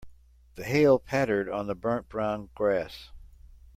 The hail pattered on the burnt brown grass.